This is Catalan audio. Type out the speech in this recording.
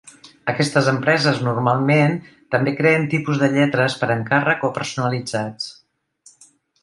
Aquestes empreses, normalment també creen tipus de lletres per encàrrec o personalitzats.